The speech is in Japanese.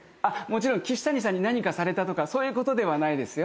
もちろんキシタニさんに何かされたとかそういうことではないですよ。